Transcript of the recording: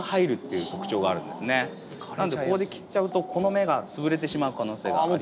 なのでここで切っちゃうとこの芽が潰れてしまう可能性がある。